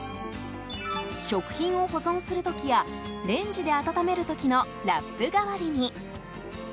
食品を保存する時やレンジで温める時のラップ代わりに。